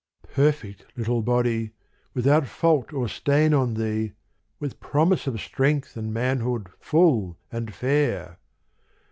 Perfect little body, without fault or stain on thee, With promise of strength and manhood full and fair